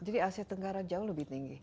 jadi asia tenggara jauh lebih tinggi